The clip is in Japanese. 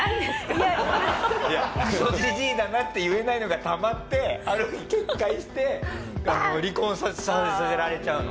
クソジジイだなって言えないのがたまってある日決壊して離婚させられちゃうの。